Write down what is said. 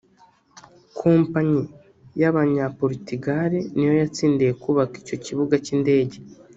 Kompanyi y’Abanya-Portugal ni yo yatsindiye kubaka icyo kibuga cy’indege